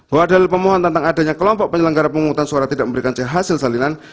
bahwa ada pemohon tentang adanya kelompok penyelenggara pemungutan suara tidak memberikan hasil salinan